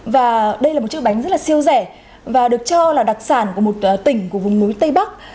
và đây là một chiếc bánh rất là siêu rẻ và được cho là đặc sản của một tỉnh của vùng núi tây bắc